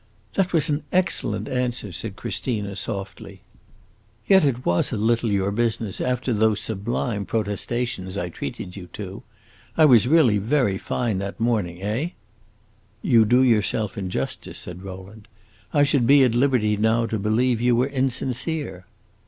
"That was an excellent answer!" said Christina, softly. "Yet it was a little your business, after those sublime protestations I treated you to. I was really very fine that morning, eh?" "You do yourself injustice," said Rowland. "I should be at liberty now to believe you were insincere."